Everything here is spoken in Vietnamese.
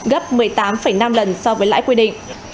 gấp một mươi tám năm lần so với lãi quy định